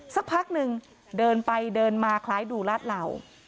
สักพักหนึ่งเดินไปเดินมาคล้ายดูลาดเหล่า